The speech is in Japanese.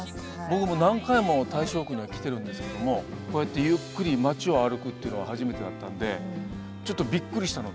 僕も何回も大正区には来てるんですけどもこうやってゆっくり街を歩くっていうのは初めてだったんでちょっとびっくりしたのと。